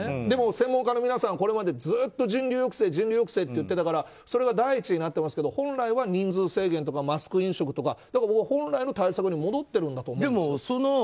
でも専門家の皆さんはこれまでずっと人流抑制って言っていたからそれが第一になってますけど本来は人数制限とかマスク飲食とか本来の対策に戻ってるんだと思うんですよ。